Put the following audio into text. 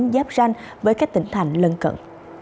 giáp ranh với các tỉnh thành lân cận